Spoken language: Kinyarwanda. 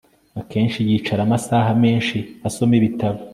Akenshi yicara amasaha menshi asoma ibitabo